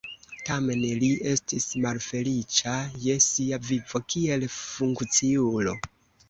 Tamen li estis malfeliĉa je sia vivo kiel funkciulo.